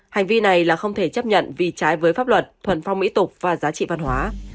hành vi này là không thể chấp nhận vì trái với pháp luật thuần phong mỹ tục và giá trị văn hóa